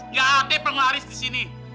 nggak ada pengaris di sini